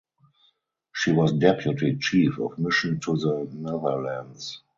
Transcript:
She was deputy chief of mission to the Netherlands.